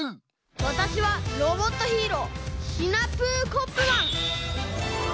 わたしはロボットヒーローシナプーコップマン！